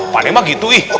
pak d mah gitu ih